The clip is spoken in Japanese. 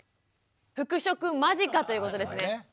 復職間近ということですね。